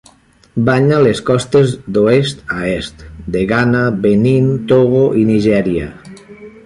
Banya les costes, d'oest a est, de Ghana, Benín, Togo i Nigèria.